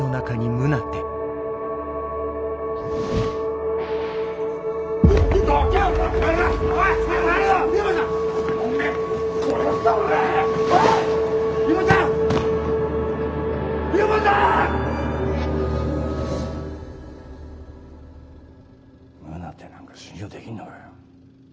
宗手なんか信用できんのかよ？